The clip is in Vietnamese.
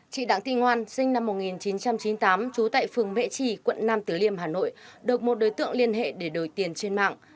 chị đảng tị ngoan sinh năm một nghìn chín trăm chín mươi tám trú tại phường vệ trì quận nam tử liêm hà nội được một đối tượng liên hệ để đổi tiền trên mạng